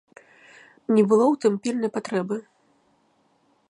Не было ў тым пільнай патрэбы.